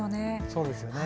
そうですよね。